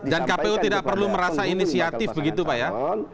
dan kpu tidak perlu merasa inisiatif begitu pak ya